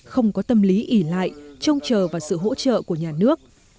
không có tâm lý ỉ lại trông chờ vào sự hỗ trợ của nhà nước